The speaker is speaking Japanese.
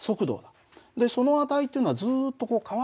その値っていうのはずっと変わってない。